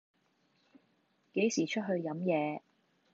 幾時出去飲野